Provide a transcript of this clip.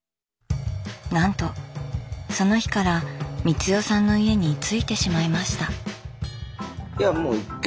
なんとその日から光代さんの家に居ついてしまいました。